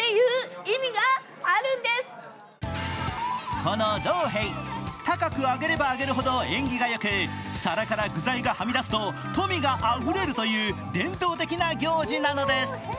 このローヘイ、高く上げれば上げるほど縁起がよく皿から具材がはみ出すと富があふれるという伝統的な行事なのです。